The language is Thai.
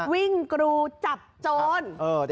วิ่งกรูจับโจร